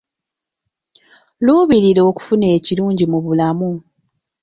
Luubirira okufuna ekirungi mu bulamu.